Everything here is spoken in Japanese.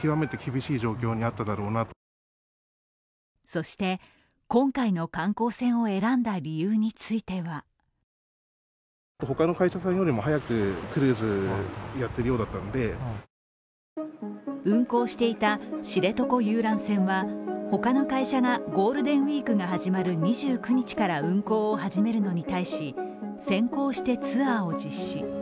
そして、今回の観光船を選んだ理由については運航していた知床遊覧船は他の会社がゴールデンウイークが始まる２９日から運航を始めるのに対し先行してツアーを実施。